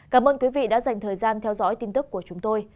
cảm ơn quý vị đã dành thời gian theo dõi tin tức của chúng tôi